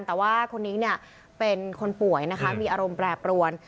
แต่ว่าคนนี้เนี่ยเป็นคนป่วยนะคะมีอารมณ์แปรปรวน